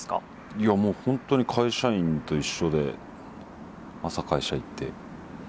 いやもう本当に会社員と一緒で朝会社行って夜帰るって感じです。